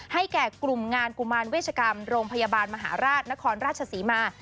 แก่กลุ่มงานกุมารเวชกรรมโรงพยาบาลมหาราชนครราชศรีมา